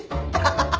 ハハハハ。